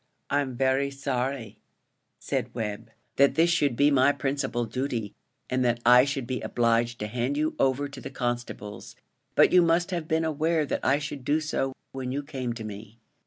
"I'm very sorry," said Webb, "that this should be my principal duty, and that I should be obliged to hand you over to the constables; but you must have been aware that I should do so, when you came to me."